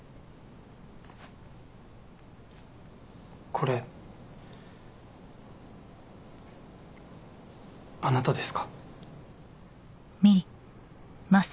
これあなたですか？